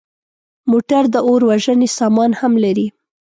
موټر د اور وژنې سامان هم لري.